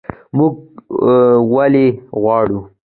موږ یووالی غواړو